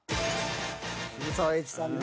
渋沢栄一さんね。